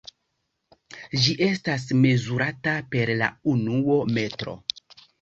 Ĝi estas mezurata per la unuo metro.